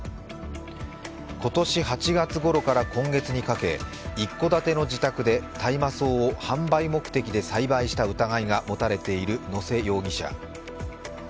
今年８月ごろから今月にかけ一戸建ての自宅で大麻草を販売目的で栽培した疑いが持たれている野瀬容疑者。